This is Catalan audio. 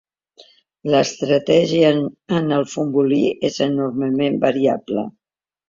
L'estratègia en el futbolí és enormement variable.